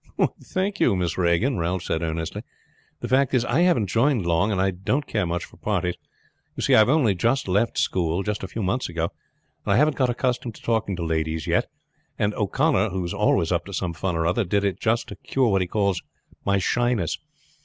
"Thank you, Miss Regan," Ralph said earnestly. "The fact is I haven't joined long, and I don't care much for parties. You see, I have only left school a few months, and haven't got accustomed to talk to ladies yet; and O'Connor who is always up to some fun or other did it just to cure what he calls my shyness.